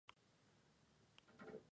¡ por favor! ¡ escuchen!